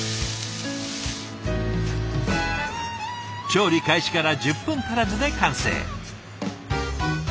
調理開始から１０分足らずで完成。